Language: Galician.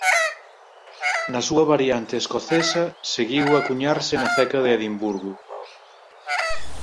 Na súa variante escocesa seguiu a cuñarse na ceca de Edimburgo.